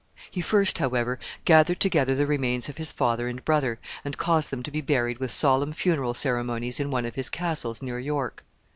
He first, however, gathered together the remains of his father and brother, and caused them to be buried with solemn funeral ceremonies in one of his castles near York.